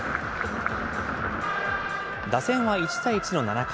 打線は１対１の７回。